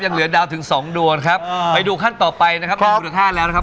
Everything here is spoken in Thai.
ยังเหลือดาวน์ถึงสองโดนครับอ่าไปดูขั้นต่อไปนะครับ